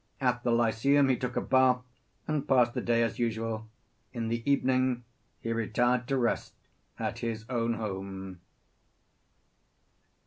At the Lyceum he took a bath, and passed the day as usual. In the evening he retired to rest at his own home.